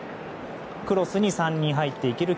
クロスに３人入っていける。